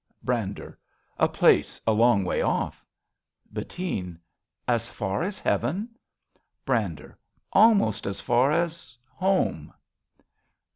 Brander. A place a long way off. Bettine. As far as heaven? Brander. Almost as far as — home.